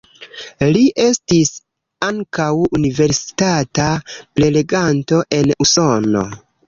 Li estis ankaŭ universitata preleganto en Usono.